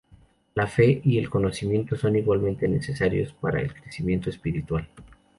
La fe y el conocimiento son igualmente necesarios para el crecimiento espiritual.